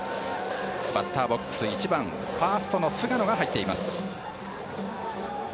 バッターボックス１番ファースト、菅野が入っています。